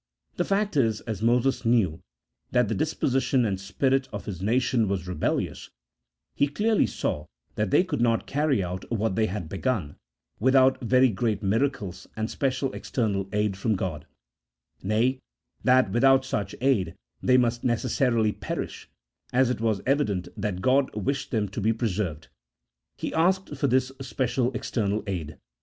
The fact is, as Moses knew that the disposition and spirit of his nation was rebellious, he clearly saw that they could not carry out what they had begun without very great miracles and special external aid from God ; nay, that without such aid they must necessarily perish : as it was evident that God wished them to be pre served, He asked for this special external aid.